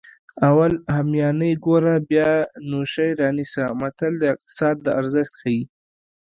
اول همیانۍ ګوره بیا نو شی رانیسه متل د اقتصاد ارزښت ښيي